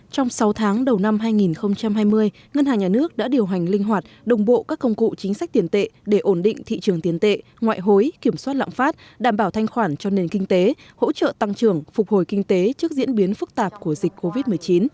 trong sáu tháng đầu năm hai nghìn hai mươi ngân hàng nhà nước đã điều hành linh hoạt đồng bộ các công cụ chính sách tiền tệ để ổn định thị trường tiền tệ ngoại hối kiểm soát lạm phát đảm bảo thanh khoản cho nền kinh tế hỗ trợ tăng trưởng phục hồi kinh tế trước diễn biến phức tạp của dịch covid một mươi chín